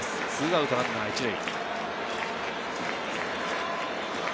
２アウトランナー１塁。